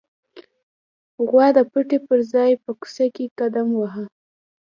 غوا د پټي پر ځای په کوڅه کې قدم واهه.